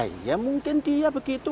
ya mungkin dia begitu